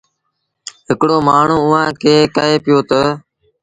هڪڙو مآڻهوٚٚݩ اُئآݩ کي ڪهي پيو تا